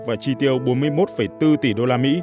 và chi tiêu bốn mươi một bốn tỷ usd